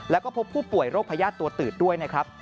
แล้วก็พบผู้ป่วยโรคพญาติตัวตืดด้วยนะครับ